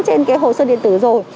trên hồ sơ điện tử rồi